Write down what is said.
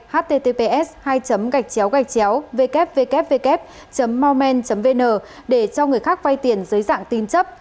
https hai gạch chéo gạch chéo www mallman vn để cho người khác vay tiền dưới dạng tin chấp